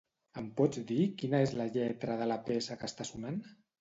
Em pots dir quina és la lletra de la peça que està sonant?